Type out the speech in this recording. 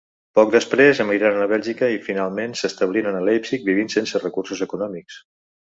Poc després emigraren a Bèlgica i finalment s'establiren a Leipzig vivint sense recursos econòmics.